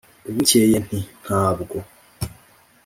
bukeye nti: ntabwo